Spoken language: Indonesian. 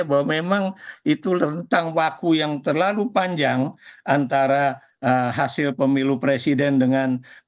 bahwa memang itu rentang waktu yang terlalu panjang antara hasil pemilu presiden dengan